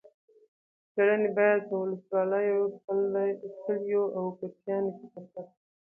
څېړنې باید په ولسوالیو، کلیو او کوچیانو کې ترسره شي.